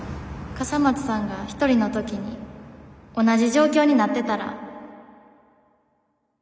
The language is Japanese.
笠松さんが一人の時に同じ状況になってたら追いかけた？